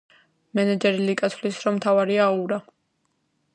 მენეჯერი ლიკა თვლის, რომ მთავარია აურა.